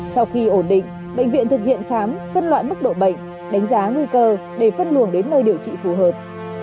sau khi ổn định bệnh viện thực hiện khám phân loại mức độ bệnh đánh giá nguy cơ để phân luồng đến nơi điều trị phù hợp